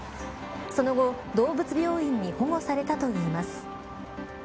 その後、動物病院に保護されたといいます。